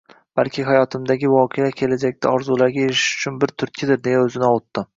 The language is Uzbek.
Balki hayotimdagi voqealar kelajakda orzularga erishishim uchun bir turtkidir, deya o`zini ovutdi